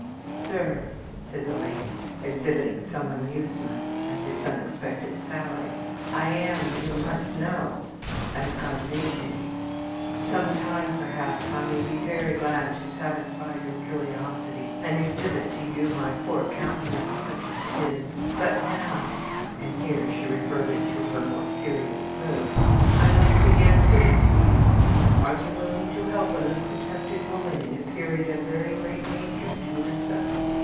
"Sir," said the lady, exhibiting some amusement at this unexpected sally, "I am, you must know, as God made me. Sometime, perhaps, I may be very glad to satisfy your curiosity, and exhibit to you my poor countenance such as it is. But now" and here she reverted to her more serious mood "I must again put it to you: are you willing to help an unprotected woman in a period of very great danger to herself?